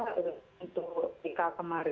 untuk pk kemarin